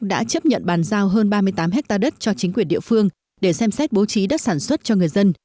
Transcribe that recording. đã chấp nhận bàn giao hơn ba mươi tám hectare đất cho chính quyền địa phương để xem xét bố trí đất sản xuất cho người dân